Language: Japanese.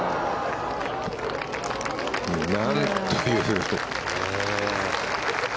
なんという。